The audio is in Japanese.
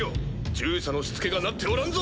従者のしつけがなっておらんぞ！